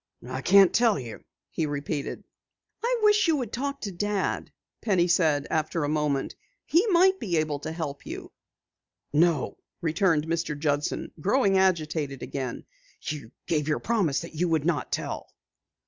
"I can't tell you," he repeated. "I wish you would talk to Dad," Penny said after a moment. "He might be able to help you." "No," returned Mr. Judson, growing agitated again, "you gave your promise that you would not tell."